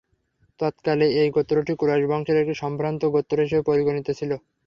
তৎকালে এই গোত্রটি কুরাইশ বংশের একটি সম্ভ্রান্ত গোত্র হিসেবে পরিগণিত ছিল।